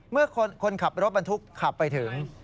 เมื่อคนขับรถบรรทุกขับไปถึง